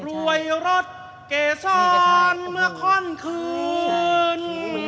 รวยรถเกษรเมื่อข้อนคืน